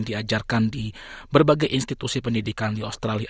diajarkan di berbagai institusi pendidikan di australia